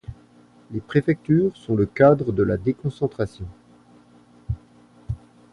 Les préfectures sont le cadre de la déconcentration.